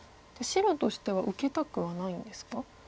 白としては受けたくはないんですか？